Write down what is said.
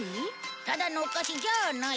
ただのお菓子じゃあない。